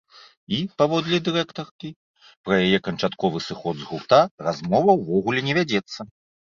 І, паводле дырэктаркі, пра яе канчатковы сыход з гурта размова ўвогуле не вядзецца.